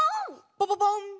ポポポン！